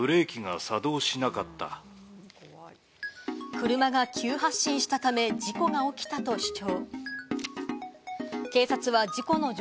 車が急発進したため事故が起きたと主張。